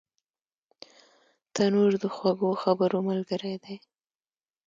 تنور د خوږو خبرو ملګری دی